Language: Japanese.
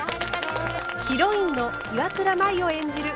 ヒロインの岩倉舞を演じる